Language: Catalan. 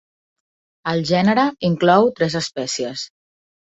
El gènere inclou tres espècies.